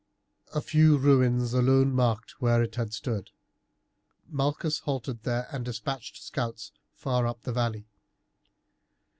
A few ruins alone marked where it had stood. Malchus halted there and despatched scouts far up the valley.